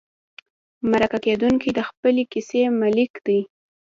مرکه کېدونکی د خپلې کیسې مالک دی.